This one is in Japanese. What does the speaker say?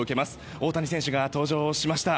大谷選手が登場しました。